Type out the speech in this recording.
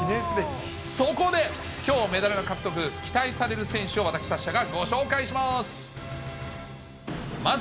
そこで、きょうメダルが獲得、期待される選手を、私、サッシャがご紹介します。